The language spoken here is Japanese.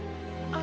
あ。